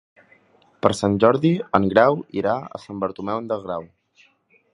Per Sant Jordi en Grau irà a Sant Bartomeu del Grau.